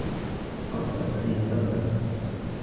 Ал тарыхый инсан да.